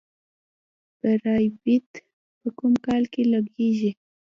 بیرایت په کوم کار کې لګیږي؟